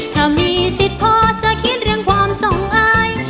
ถ้ามีสิทธิ์พอจะคิดเรื่องความสองอาย